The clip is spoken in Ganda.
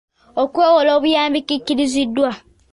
Okwewola obuyambi kikkirizibwa.